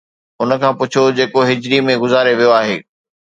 ان کان پڇو جيڪو هجري ۾ گذاري ويو آهي